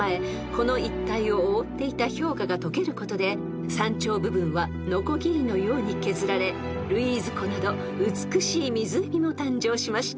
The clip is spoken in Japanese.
この一帯を覆っていた氷河が解けることで山頂部分はのこぎりのように削られルイーズ湖など美しい湖も誕生しました］